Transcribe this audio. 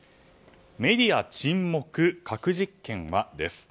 メディア沈黙、核実験は？